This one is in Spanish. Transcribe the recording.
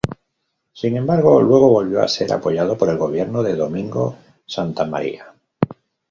Sin embargo, luego volvió a ser apoyado por el gobierno de Domingo Santa María.